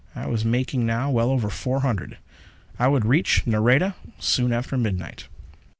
I was making now well over four hundred; I would reach Nareda soon after midnight.